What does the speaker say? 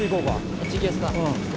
あっち行きますか。